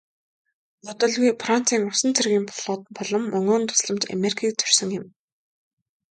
Удалгүй францын усан цэргийн флот болон мөнгөн тусламж америкийг зорьсон юм.